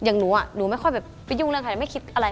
อย่างหนูหนูไม่ค่อยแบบไปยุ่งเรื่องใครไม่คิดอะไร